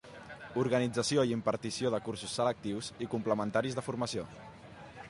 Organització i impartició de cursos selectius i complementaris de formació.